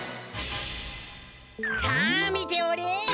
さあ見ておれ。